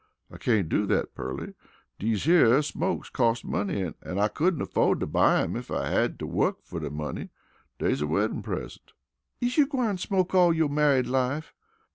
"I cain't do that, Pearly. Dese here smokes costes money. An' I couldn't affode to buy 'em ef I had to wuck fer de money. Dey's a weddin' present." "Is you gwine smoke all yo' married life?"